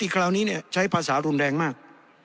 คราวนี้ใช้ภาษารุนแรงมาก